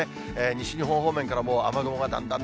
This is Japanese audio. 西日本方面からもう雨雲がだんだん